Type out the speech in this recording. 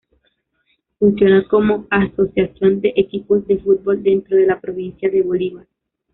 Funciona como asociación de equipos de fútbol dentro de la Provincia de Bolívar.